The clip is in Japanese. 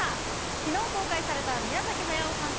きのう公開された宮崎駿監督